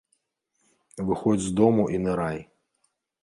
Выходзь з дому і нырай.